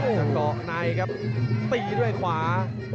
จะเกาะในครับตีด้วยขวา